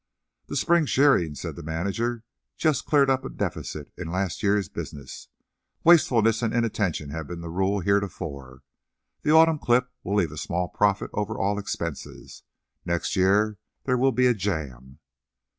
"The spring shearing," said the manager, "just cleaned up a deficit in last year's business. Wastefulness and inattention have been the rule heretofore. The autumn clip will leave a small profit over all expenses. Next year there will be jam."